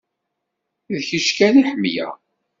D kečč kan i ḥemmleɣ.